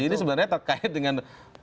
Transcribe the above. ini sebenarnya terkait dengan